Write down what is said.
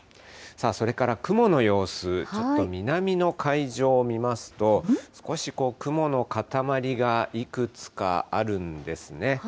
それから雲の様子、ちょっと南の海上を見ますと、少しこう、雲の塊がいくつかあるんですね。